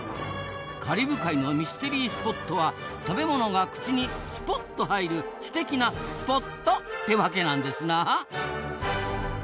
カリブ海のミステリースポットは食べ物が口に「スポッと」入るすてきなスポットってわけなんですな。